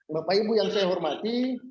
bapak ibu yang saya hormati